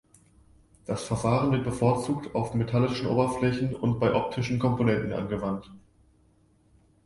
Das Verfahren wird bevorzugt auf metallischen Oberflächen und bei optischen Komponenten angewandt.